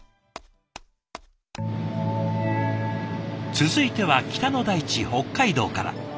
続いては北の大地北海道から。